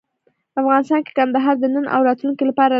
افغانستان کې کندهار د نن او راتلونکي لپاره ارزښت لري.